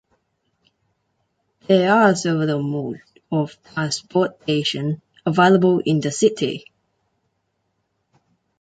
There are several modes of transportation available in the city.